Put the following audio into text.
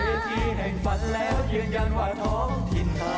เวที่แห่งฟันแล้วยืนยันว่าท้องทินเขา